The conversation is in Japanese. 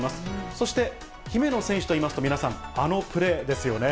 そして姫野選手といいますと、皆さん、あのプレーですよね？